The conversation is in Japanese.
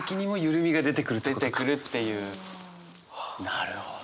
なるほど。